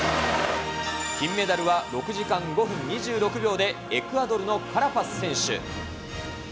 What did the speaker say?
金メダルは６時間５分２６秒でエクアドルのカラパス選手。